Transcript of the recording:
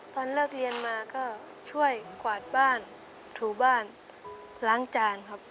ตอนเลิกเรียนมาก็ช่วยกวาดบ้านถูบ้านล้างจานครับ